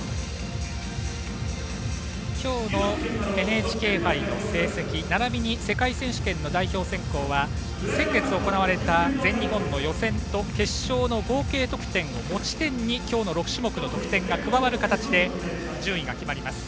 今日のＮＨＫ杯の成績ならびに世界選手権の代表選考は先月行われた全日本の予選と決勝の合計得点を持ち点に、今日の６種目の得点が加わる形で順位が決まります。